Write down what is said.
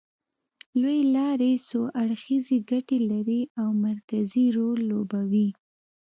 لوېې لارې څو اړخیزې ګټې لري او مرکزي رول لوبوي